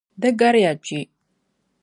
Di gariya kpe.